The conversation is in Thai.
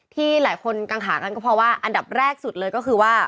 ที่หลายคนกังขากันก็เพราะว่าอันดับแรกสุดเลยก็คือว่า